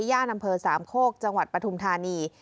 ย่านอำเภอสามโคกจังหวัดปฐุมธานี